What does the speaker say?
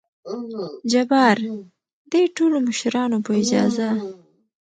جبار : دې ټولو مشرانو په اجازه!